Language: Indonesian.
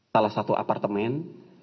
salah satu apartemen